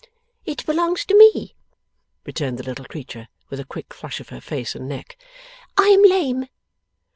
'It belongs to me,' returned the little creature, with a quick flush of her face and neck. 'I am lame.